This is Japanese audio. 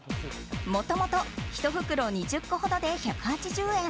もともと、１袋２０個ほどで１８０円。